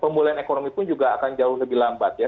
pemulihan ekonomi pun juga akan jauh lebih lambat ya